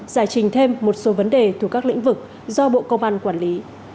giải trình thêm một số vấn đề thuộc các lĩnh vực do bộ công an quản lý